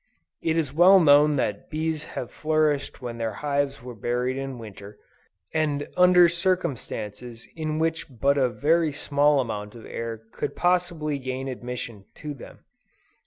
It is well known that bees have flourished when their hives were buried in Winter, and under circumstances in which but a very small amount of air could possibly gain admission to them.